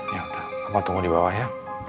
ya udah apa tunggu di bawah ya